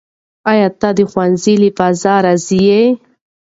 آیا ته د ښوونځي له فضا راضي یې؟